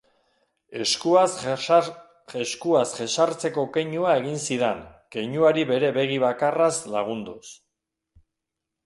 Eskuaz jesartzeko keinua egin zidan, keinuari bere begi bakarraz lagunduz.